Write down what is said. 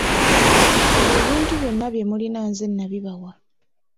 Ebyo ebintu byonna bye mulina nze nabibwa.